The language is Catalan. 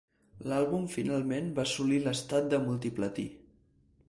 L'àlbum finalment va assolir l'estat de multiplatí.